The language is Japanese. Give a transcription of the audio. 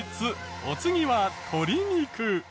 お次は鶏肉。